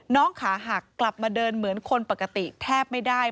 ขาหักกลับมาเดินเหมือนคนปกติแทบไม่ได้